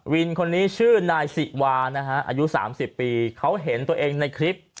วินคนนี้ชื่อนายสิวานะฮะอายุ๓๐ปีเขาเห็นตัวเองในคลิป